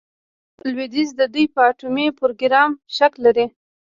لویدیځ د دوی په اټومي پروګرام شک لري.